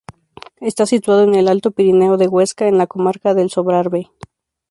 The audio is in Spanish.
Está situado en el alto Pirineo de Huesca, en la comarca del Sobrarbe.